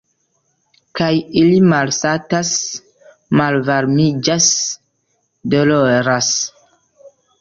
Kaj ili malsatas, malvarmiĝas, doloras.